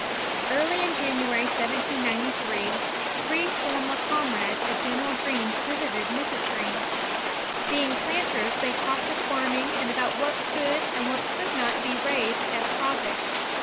Early in January, 1793, three former com rades of General Greene's visited Mrs. Greene. Being planters, they talked of farming and about what could and what could not be raised at a profit.